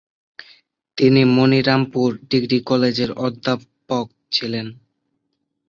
তিনি মনিরামপুর ডিগ্রি কলেজের উপাধ্যক্ষ ছিলেন।